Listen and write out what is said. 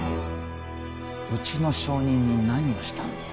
うちの証人に何をしたんだ？